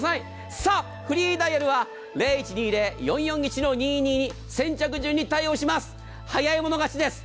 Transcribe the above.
さあ、フリーダイヤルは０１２０−４４１−２２２先着順に対応します早い者勝ちです。